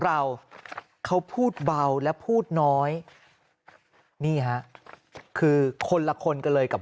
เราเขาพูดเบาและพูดน้อยนี่ฮะคือคนละคนกันเลยกับ